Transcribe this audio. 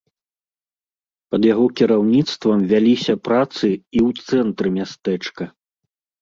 Пад яго кіраўніцтвам вяліся працы і ў цэнтры мястэчка.